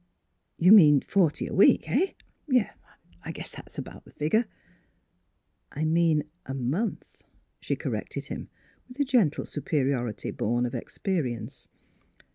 "You mean forty a week — eh? Yes. I guess that's about the figure." " I mean a month," she corrected him with the gentle superiority born of expe rience.